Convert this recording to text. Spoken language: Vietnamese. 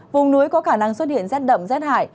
vùng núi có khả năng xuất hiện rét đậm rét hại